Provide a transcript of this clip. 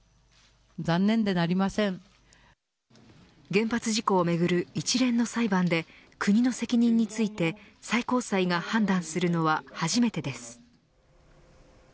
原発事故をめぐる一連の裁判で国の責任について最高裁が判断するのは初めてです。